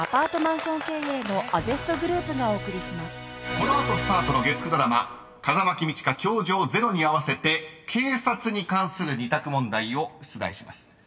［この後スタートの月９ドラマ『風間公親−教場０−』に合わせて警察に関する２択問題を出題します］